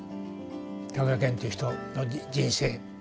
高倉健という人の人生。